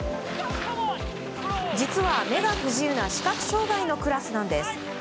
実は、目が不自由な視覚障害のクラスなんです。